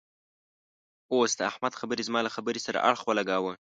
اوس د احمد خبرې زما له خبرې سره اړخ و لګاوو.